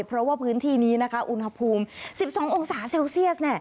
เพราะว่าพื้นที่นี้นะคะอุณหภูมิ๑๒องศาเซลเซียส